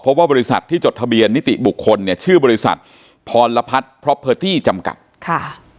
เพราะว่าบริษัทที่จดทะเบียนนิติบุคคลเนี้ยชื่อบริษัทพรพัทจำกัดค่ะ